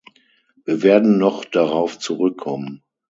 Wir werden noch darauf zurückkommen.